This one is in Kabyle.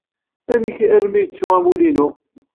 Amek armi ay yettu amulli-inu?